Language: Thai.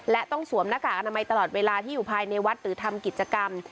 และต้องสวมหน้ากากอนามัยตลอดเวลาที่อยู่ภายในวัดหรือทำกิจกรรม